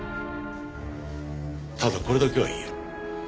ただこれだけは言える。